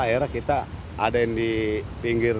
akhirnya kita ada yang di pinggir